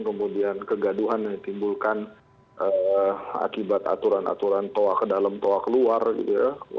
kemudian kegaduhan yang ditimbulkan akibat aturan aturan toa ke dalam toa keluar gitu ya